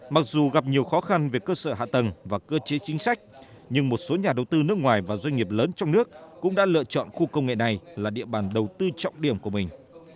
mặc dù gặp nhiều khó khăn về cơ sở hạ tầng và cơ chế chính sách nhưng một số nhà đầu tư nước ngoài và doanh nghiệp lớn trong nước cũng đã lựa chọn khu công nghệ này là địa bàn đầu tư trọng điểm của mình